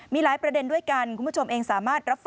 มีหลายประเด็นด้วยกันคุณผู้ชมเองสามารถรับฟัง